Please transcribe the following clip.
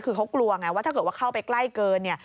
คือเขากลัวไงว่าถ้าเกิดเข้าไปใกล้เกิน